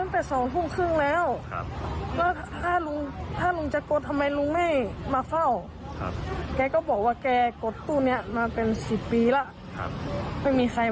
มือเราก็เจ็บเนาะถือมือเราเนี่ยแล้วก็ปัดมือเราเนี่ย